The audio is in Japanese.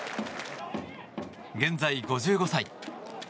現在５５歳。